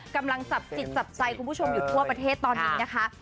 กำลังจับจิตจับใจคุณผู้ชมอยู่ทั่วประเทศตอนนี้นะคะ